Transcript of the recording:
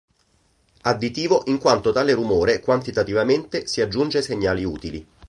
Additivo in quanto tale rumore quantitativamente si aggiunge ai segnali utili.